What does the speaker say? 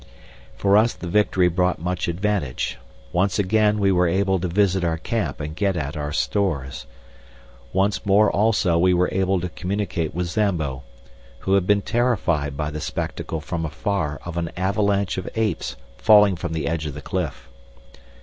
For us the victory brought much advantage. Once again we were able to visit our camp and get at our stores. Once more also we were able to communicate with Zambo, who had been terrified by the spectacle from afar of an avalanche of apes falling from the edge of the cliff.